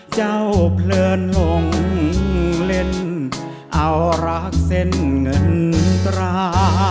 เพลินหลงเล่นเอารักเส้นเงินตรา